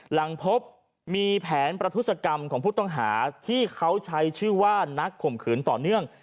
หลังพบมีแผนประทุศกรรมของผู้ต้องหาที่เขาใช้ชื่อว่านักข่มขืนต่อเนื่อง